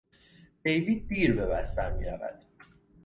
دیوید دیر به بستر میرود.